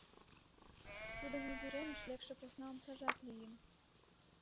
Тудын изуремыш лекше посна омсажат лийын.